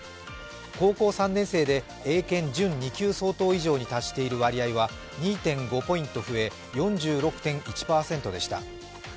高校３年生で英検準２級相当以上に達している割合は２．５ポイント増え４６．１％でした。